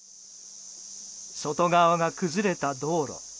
外側が崩れた道路。